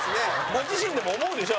ご自身でも思うでしょ？